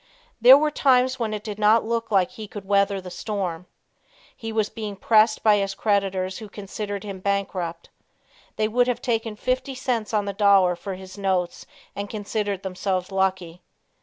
There were times when it did not look like he could weather the storm. He was being pressed by his creditors who considered him bankrupt. They would have taken fifty cents on the dollar for his notes and considered themselves lucky.